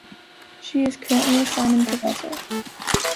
She is currently a Simon Professor.